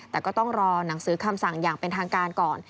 แต่ก็ต้องรอหนังสือคำสั่งอย่างเป็นทางการก่อน